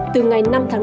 từ ngày năm tháng năm